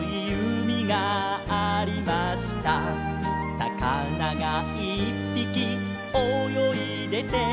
「さかながいっぴきおよいでて」